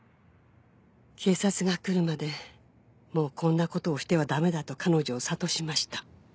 「警察が来るまでもうこんなことをしては駄目だと彼女を諭しました」